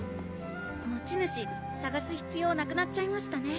持ち主さがす必要なくなっちゃいましたね